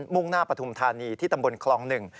่งหน้าปฐุมธานีที่ตำบลคลองหนึ่ง